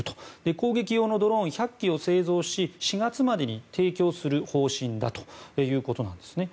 攻撃用のドローン１００機を製造し４月までに提供する方針だということなんですね。